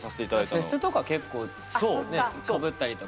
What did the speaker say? フェスとか結構ねかぶったりとか。